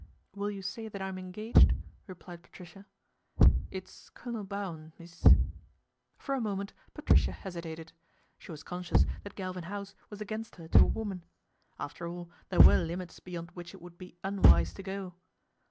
' Will you say that I'm engaged ?" replied 5 atricia. " It's Colonel Baun, mees." For a moment Patricia hesitated. She was con scious that Galvin House was against her to a woman. After all there were limits beyond which t would be unwise to go.